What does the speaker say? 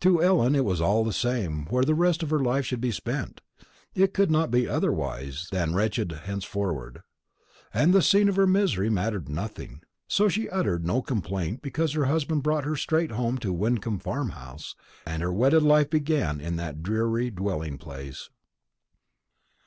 To Ellen it was all the same where the rest of her life should be spent. It could not be otherwise than wretched henceforward, and the scene of her misery mattered nothing. So she uttered no complaint because her husband brought her straight home to Wyncomb Farmhouse, and her wedded life began in that dreary dwelling place.